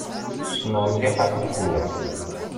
Ssneɣ mliḥ aḥulfu-a.